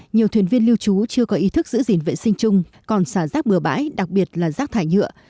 nhiều thuyền viên lưu trú chưa có ý thức giữ gìn vệ sinh chung còn xả rác bừa bãi đặc biệt là rác thải nhựa